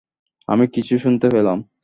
আমি কিছু শুনতে পেলাম!